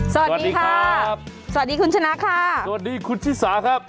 สวัสดีค่ะสวัสดีคุณชนะค่ะสวัสดีคุณชิสาครับ